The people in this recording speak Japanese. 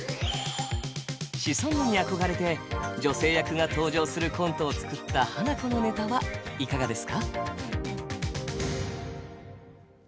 シソンヌに憧れて女性役が登場するコントを作ったハナコのネタはいかがですか？